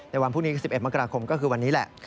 วันพรุ่งนี้๑๑มกราคมก็คือวันนี้แหละ